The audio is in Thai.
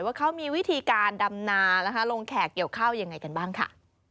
ว่าเขามีวิธีการดำนาลงแขกเกี่ยวข้าวยังไงกันบ้างค่ะ